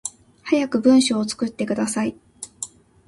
早く文章作ってください